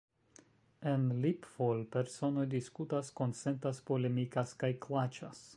En LibFol, personoj diskutas, konsentas, polemikas kaj klaĉas.